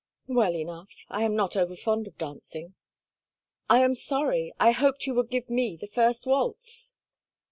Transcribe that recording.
"Well enough. I am not overfond of dancing." "I am sorry. I hoped you would give me the first waltz."